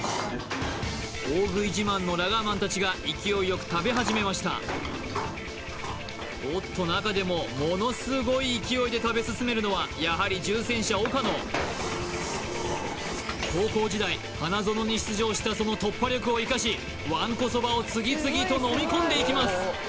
ここでじゃあそしておっと中でもものすごい勢いで食べ進めるのはやはり重戦車岡野高校時代花園に出場したその突破力を生かしわんこそばを次々と飲み込んでいきます